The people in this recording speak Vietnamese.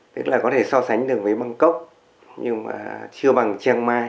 tức là có thể so sánh được với bangkok nhưng mà chưa bằng cheng mai